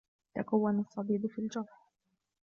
تَكَوّنَ الصديد في الجرح.